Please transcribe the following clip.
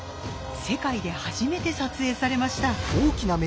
世界で初めて撮影されました。